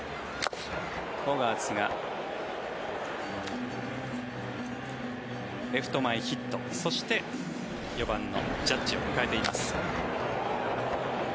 ボガーツがレフト前ヒットそして、４番のジャッジを迎えています。